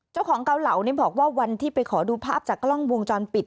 เจ้าของเกาเหล่านี้บอกว่าวันที่ไปขอดูภาพจากกล้องวงจรปิด